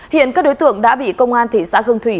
hiện các đối tượng đã bị công an thị xã hương thủy